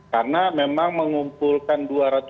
karena memang mengumpulkan dua ratus tiga puluh tujuh